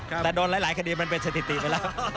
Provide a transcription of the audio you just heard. แต่โดนหลายคดีมันเป็นสถิติไปแล้ว